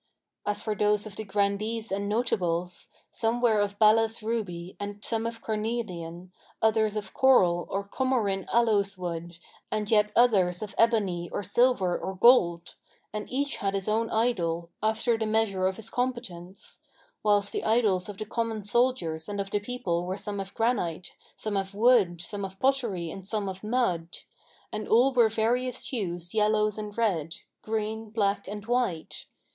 [FN#521] As for those of the Grandees and Notables, some were of balass ruby and some of carnelian, others of coral or Comorin aloes wood and yet others of ebony or silver or gold; and each had his own idol, after the measure of his competence; whilst the idols of the common soldiers and of the people were some of granite, some of wood, some of pottery and some of mud; and all were of various hues yellow and red; green, black and white.